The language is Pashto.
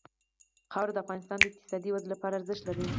خاوره د افغانستان د اقتصادي ودې لپاره ارزښت لري.